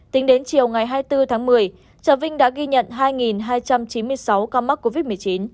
tính đến chiều ngày hai mươi bốn tháng một mươi trà vinh đã ghi nhận hai hai trăm chín mươi sáu ca mắc covid một mươi chín